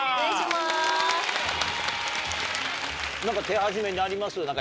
何か手始めにあります？